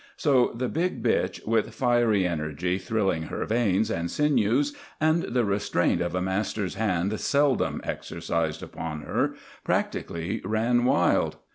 So the big bitch, with fiery energy thrilling her veins and sinews and the restraint of a master's hand seldom exercised upon her, practically ran wild.